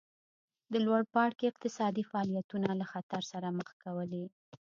د لوړ پاړکي اقتصادي فعالیتونه له خطر سره مخ کولې